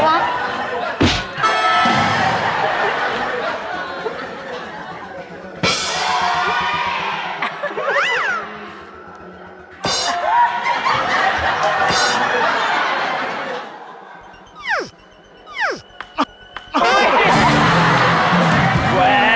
ว้าว